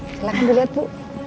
silahkan dilihat bu